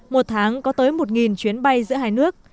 một tháng có tới một chuyến bay giữa hai nước